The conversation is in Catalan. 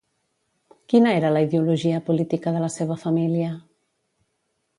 Quina era la ideologia política de la seva família?